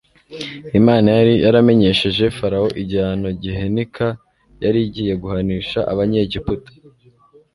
Imana yari yaramenyesheje Farawo igihano gihenika yari igiye guhanisha Abanyegiputa.